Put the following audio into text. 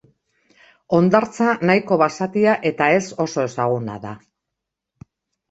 Hondartza nahiko basatia eta ez oso ezaguna da.